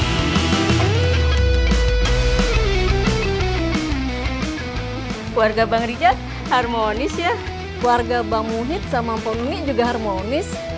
keluarga bang muhid sama pemungi juga harmonis